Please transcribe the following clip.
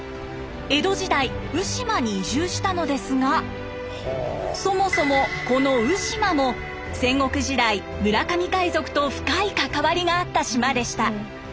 江戸時代鵜島に移住したのですがそもそもこの鵜島も戦国時代村上海賊と深い関わりがあった島でした。